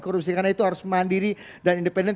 korupsi karena itu harus mandiri dan independen